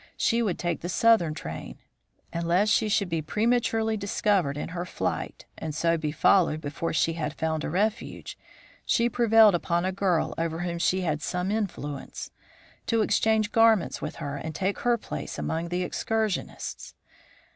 She would take the southern train, and lest she should be prematurely discovered in her flight and so be followed before she had found a refuge, she prevailed upon a girl over whom she had some influence, to exchange garments with her and take her place among the excursionists.